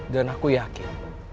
dan aku yakin